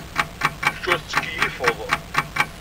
Kecc ur tettkeyyifed.